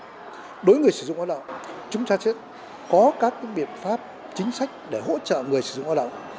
đối với người sử dụng lao động chúng ta sẽ có các biện pháp chính sách để hỗ trợ người sử dụng lao động